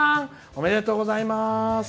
おめでとうございます。